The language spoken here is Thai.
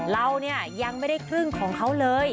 เราเนี่ยยังไม่ได้ครึ่งของเขาเลย